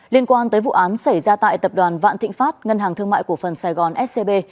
liên quan tới vụ án xảy ra tại tập đoàn vạn thịnh pháp ngân hàng thương mại cổ phần sài gòn scb